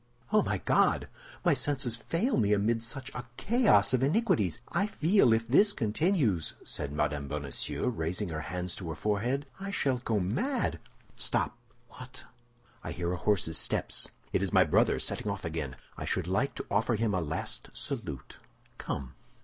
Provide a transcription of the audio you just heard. "Oh, my God! My senses fail me amid such a chaos of iniquities. I feel, if this continues," said Mme. Bonacieux, raising her hands to her forehead, "I shall go mad!" "Stop—" "What?" "I hear a horse's steps; it is my brother setting off again. I should like to offer him a last salute. Come!"